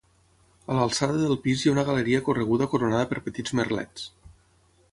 A l'alçada del pis hi ha una galeria correguda coronada per petits merlets.